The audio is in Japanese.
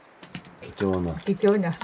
貴重な。